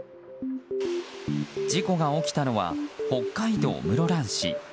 事故が起きたのは北海道室蘭市。